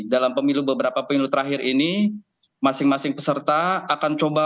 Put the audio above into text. dalam pemilu beberapa pemilu terakhir ini masing masing peserta akan coba